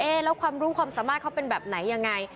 แล้วความรู้ความสามารถเขาเป็นแบบไหนยังไง